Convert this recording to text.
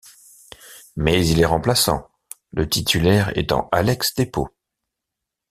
Mais il est remplaçant, le titulaire étant Alex Thépot.